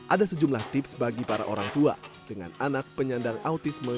ada sejumlah tips bagi para orang tua dengan anak penyandang autisme